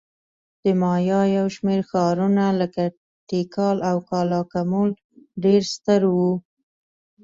د مایا یو شمېر ښارونه لکه تیکال او کالاکمول ډېر ستر وو